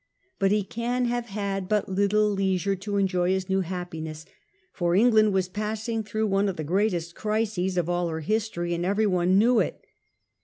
But he can have had but little leisure to enjoy his new happi ness. For England was passing through one of the greatest crises of all her history, and every one knew it.